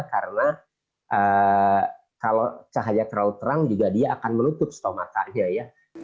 karena kalau cahaya terlalu terang juga dia akan menutup stomatanya